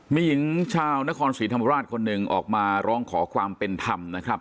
มีหญิงชาวนครศรีธรรมราชคนหนึ่งออกมาร้องขอความเป็นธรรมนะครับ